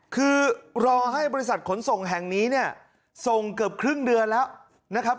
คือรอให้บริษัทขนส่งแห่งนี้เนี่ยส่งเกือบครึ่งเดือนแล้วนะครับ